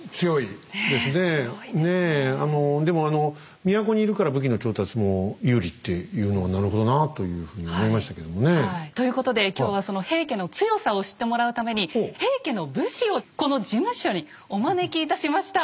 でもあの都にいるから武器の調達も有利っていうのはなるほどなあというふうに思いましたけどもね。ということで今日はその平家の強さを知ってもらうために平家の武士をこの事務所にお招きいたしました！